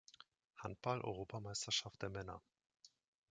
Handball-Europameisterschaft der Männer.